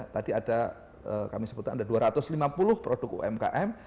tadi ada kami sebutkan ada dua ratus lima puluh produk umkm